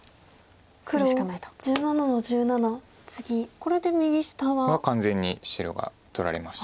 これで右下は。は完全に白が取られました。